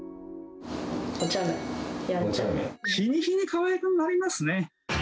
日に日にかわいくなりますね。